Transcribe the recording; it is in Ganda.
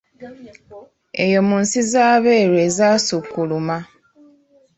Eyo mu nsi z’abeeru ezaasukkuluma.